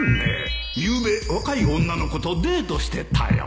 ゆうべ若い女の子とデートしてたよ